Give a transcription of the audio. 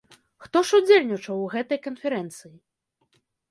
Хто ж удзельнічаў у гэтай канферэнцыі?